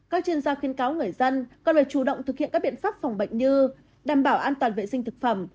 các chuyên gia khuyên cáo người dân cần phải chủ động thực hiện các biện pháp phòng bệnh như đảm bảo an toàn vệ sinh thực phẩm